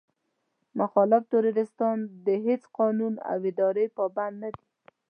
مخالف تروريستان د هېڅ قانون او ادارې پابند نه دي.